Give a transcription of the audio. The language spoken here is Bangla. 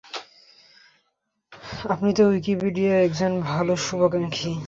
আপনি হয়তো উইকিপিডিয়ার একজন ভালো শুভাকাঙ্ক্ষী।